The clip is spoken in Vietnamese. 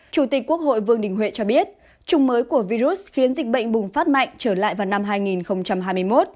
chủ tịch quốc hội vương đình huệ cho biết chủng mới của virus khiến dịch bệnh bùng phát mạnh trở lại vào năm hai nghìn hai mươi một